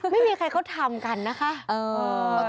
ไม่มีใครเขาทำกันนะคะ